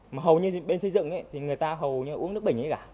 mà hầu như bên xây dựng ấy thì người ta hầu như là uống nước bình ấy cả